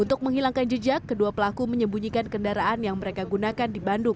untuk menghilangkan jejak kedua pelaku menyembunyikan kendaraan yang mereka gunakan di bandung